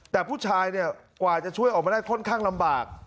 แต่ผู้ชายเนี่ยกว่าจะช่วยออกมาได้ค่อนข้างลำบาก